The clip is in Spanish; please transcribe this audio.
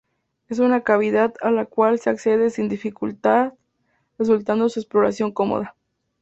Es una cavidad a la cual se accede sin dificultar resultando su exploración cómoda.